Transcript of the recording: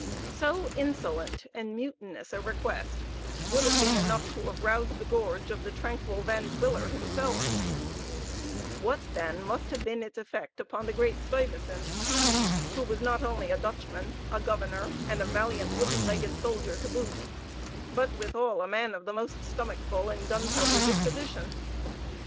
So insolent and mutinous a request would have been enough to have roused the gorge of the tranquil Van Twiller himself what, then, must have been its effect upon the great Stuyvesant, who was not only a Dutchman, a governor, and a valiant wooden legged soldier to boot, but withal a man of the most stomachful and gunpowder disposition?